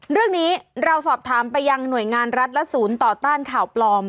เรื่องนี้เราสอบถามไปยังหน่วยงานรัฐและศูนย์ต่อต้านข่าวปลอม